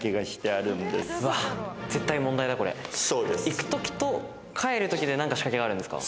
行くときと帰るときで何か仕掛けがあるんですか？